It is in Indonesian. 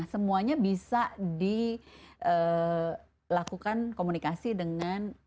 semuanya bisa dilakukan komunikasi dengan